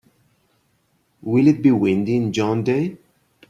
Will it be windy in John Day?